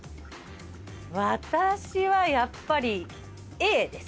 私はやっぱりＡです。